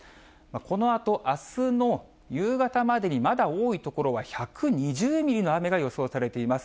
このあと、あすの夕方までに、まだ多い所は１２０ミリの雨が予想されています。